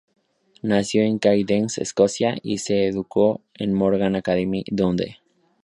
Nació en Caithness, Escocia, y se educó en Morgan Academy, Dundee.